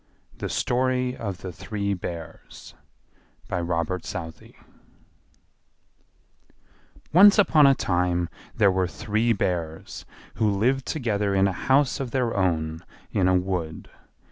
THE STORY OF THE THREE BEARS By Robert Southey Once upon a time there were three Bears, who lived together in a house of their own in a wood.